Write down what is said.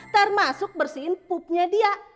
termasuk bersihin pupnya dia